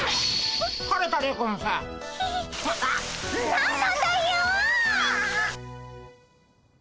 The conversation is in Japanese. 何なんだよ！